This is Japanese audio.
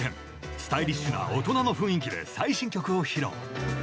スタイリッシュな大人の雰囲気で最新曲を披露